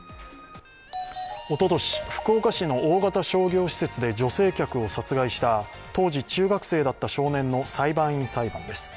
おととし福岡市の大型商業施設で女性客を殺害した当時中学生だった少年の裁判員裁判です。